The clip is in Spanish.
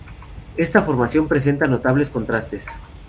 Esta formación presenta notables contrastes.